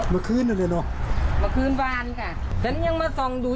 มาคืนอะไรเนอะมาคืนวันค่ะฉันยังมาส่องดู